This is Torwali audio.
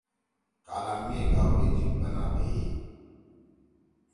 می گاؤری جیِب بنا بیَئی۔